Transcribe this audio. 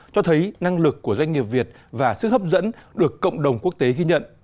cho thấy năng lực của doanh nghiệp việt và sức hấp dẫn được cộng đồng quốc tế ghi nhận